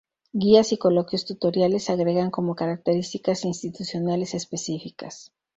Guías y coloquios tutoriales se agregan como características institucionales específicas.